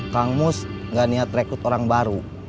kang mus nggak niat rekrut orang baru